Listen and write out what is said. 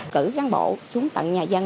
cử cán bộ xuống tận nhà dân